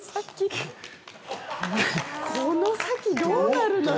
この先どうなるのよ。